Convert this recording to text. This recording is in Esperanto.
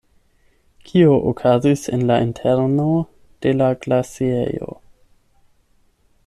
Kio okazis en la interno de la glaciejo?